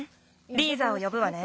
リーザをよぶわね。